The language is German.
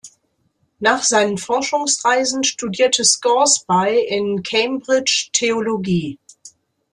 Nach seinen Forschungsreisen studierte Scoresby in Cambridge Theologie.